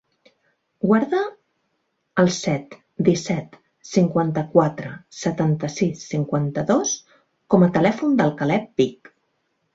Guarda el set, disset, cinquanta-quatre, setanta-sis, cinquanta-dos com a telèfon del Caleb Vich.